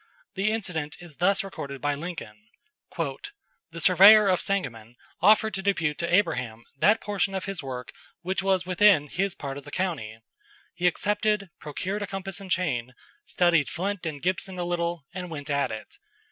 The incident is thus recorded by Lincoln: "The surveyor of Sangamon offered to depute to Abraham that portion of his work which was within his part of the county. He accepted, procured a compass and chain, studied Flint and Gibson a little, and went at it.